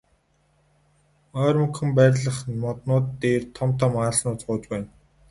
Ойрмогхон байрлах моднууд дээр том том аалзнууд сууж байна.